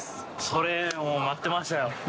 それもう待ってましたよ。